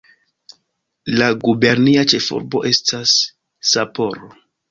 La gubernia ĉefurbo estas Sapporo.